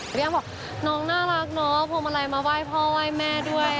ย่าบอกน้องน่ารักเนาะพวงมาลัยมาไหว้พ่อไหว้แม่ด้วย